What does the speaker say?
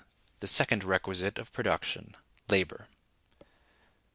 The Second Requisite of Production, Labor.